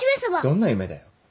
どんな夢だよ。